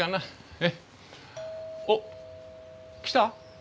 おっ来た？